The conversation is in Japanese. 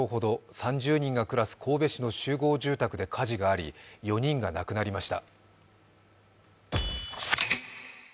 ３０人が暮らす神戸市の集合住宅で火事があり、４人が亡くなりました。